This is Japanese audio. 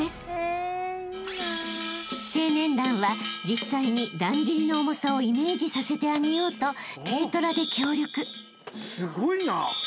［青年団は実際にだんじりの重さをイメージさせてあげようと軽トラで協力］